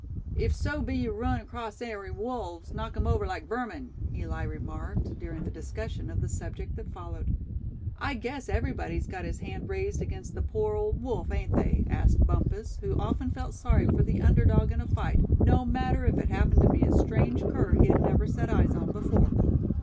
"If so be ye run acrost ary wolves, knock 'em over like vermin," Eli remarked, during the discussion of the subject that followed. "I guess everybody's got his hand raised against the poor old wolf, ain't they?" asked Bumpus; who often felt sorry for the underdog in a fight, no matter if it happened to be a strange cur he had never set eyes on before.